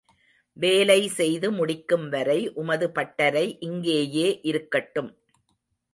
வேலையை செய்து முடிக்கும்வரை உமது பட்டரை இங்கேயே இருக்கட்டும்.